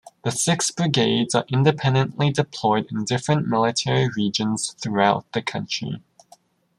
The six brigades are independently deployed in different military regions throughout the country.